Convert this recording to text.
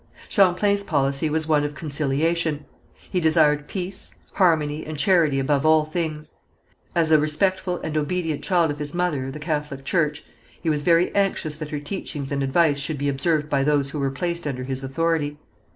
Champlain's policy was one of conciliation. He desired peace, harmony and charity above all things. As a respectful and obedient child of his mother, the Catholic Church, he was very anxious that her teachings and advice should be observed by those who were placed under his authority.